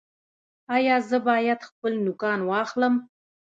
ایا زه باید خپل نوکان واخلم؟